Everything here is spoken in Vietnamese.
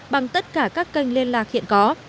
bằng tất cả các kênh liên lạc hiện có